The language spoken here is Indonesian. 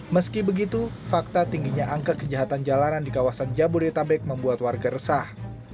meski begitu fakta tingginya angka kejahatan jalanan di kawasan jabodetabek membuat warga resah